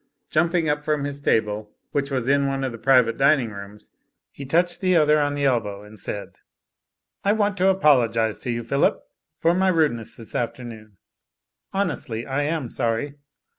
Jumping up from his table, which was in one of the private dining rooms, he touched the other on the elbow and said: '*I want to apologise to you, Phillip, for my rudeness this afternoon. Honestly, I am sorry.